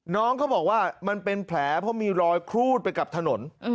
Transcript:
น้องเขาบอกว่ามันเป็นแผลเพราะมีรอยครูดไปกับถนน